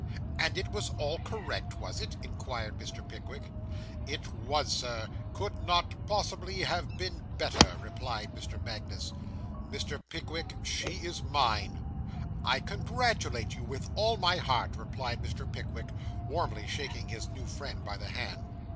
'And it was all correct, was it?' inquired Mr. Pickwick. 'It was, Sir. Could not possibly have been better,' replied Mr. Magnus. 'Mr. Pickwick, she is mine.' 'I congratulate you, with all my heart,' replied Mr. Pickwick, warmly shaking his new friend by the hand.